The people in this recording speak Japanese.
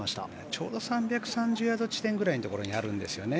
ちょうど３３０ヤードぐらいの地点にあるんですよね。